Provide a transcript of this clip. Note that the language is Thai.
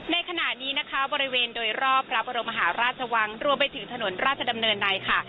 ในขณะนี้นะคะบริเวณโดยรอบพระบรมหาราชวังรวมไปถึงถนนราชดำเนินในค่ะ